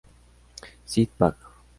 Cit., pag.